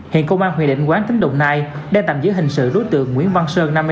hiện công an huyện định quán tỉnh đồng nai đang tạm giữ hình sự đối tượng nguyễn văn sơn